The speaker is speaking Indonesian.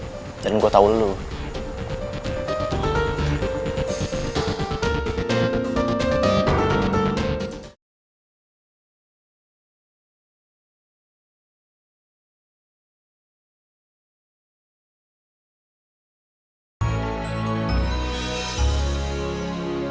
jadinya gue tau lo dulu